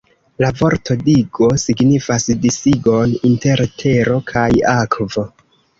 La vorto 'digo' signifas disigon inter tero kaj akvo.